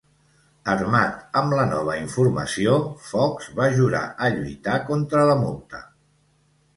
Armat amb la nova informació, Fox va jurar a lluitar contra la multa.